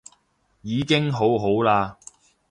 已經好好啦